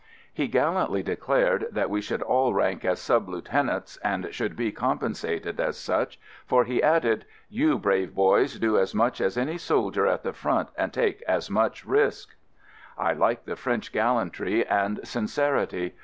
He gal lantly declared that we should all rank as sub lieutenants and should be compen sated as such, for he added, "You brave boys do as much as any soldier at the front and take as much risk." I like the French gallantry and sincerity.